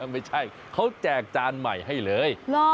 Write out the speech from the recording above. ไม่ใช่เขาแจกจานใหม่ให้เลย